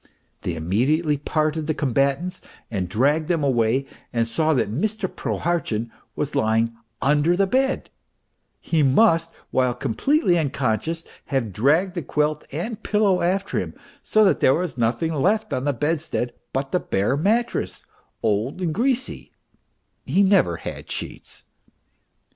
They immediately parted the com batants and dragged them away, and saw that Mr. Prohartchin was lying under the bed ; he must, while completely unconscious, have dragged the quilt and pillow after him so that there was nothing left on the bedstead but the bare mattress, old and greasy (he never had sheets).